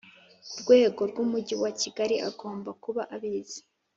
rwego rw Umujyi wa Kigali agomba kuba abizi